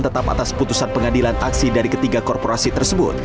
tetap atas putusan pengadilan aksi dari ketiga korporasi tersebut